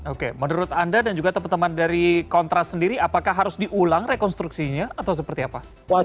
oke menurut anda dan juga teman teman dari kontras sendiri apakah harus diulang rekonstruksinya atau seperti apa